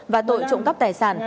và tội trộm cắp tài sản